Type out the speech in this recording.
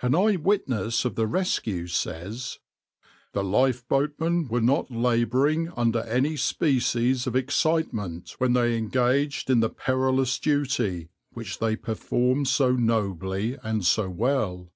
\par An eye witness of the rescue says: "The lifeboatmen were not labouring under any species of excitement when they engaged in the perilous duty, which they performed so nobly and so well.